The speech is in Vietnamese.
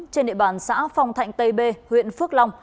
trên địa bàn xã phong thạnh tây b huyện phước long